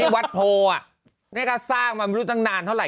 วัดโพนี่ก็สร้างมาไม่รู้ตั้งนานเท่าไห